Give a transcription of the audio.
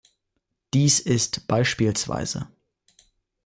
Dies ist bspw.